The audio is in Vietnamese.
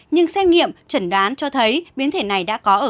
nhưng xét nghiệm trần đoán cho thấy biến thể này đã có